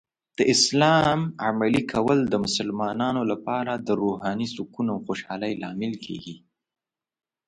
د اسلام عملي کول د مسلمانانو لپاره د روحاني سکون او خوشحالۍ لامل کیږي.